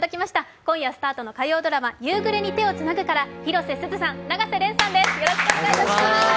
今夜スタートの火曜ドラマ「夕暮れに、手をつなぐ」から、広瀬すずさん、永瀬廉さんです。